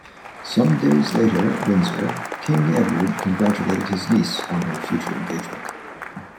Some days later at Windsor, King Edward congratulated his niece on her future engagement.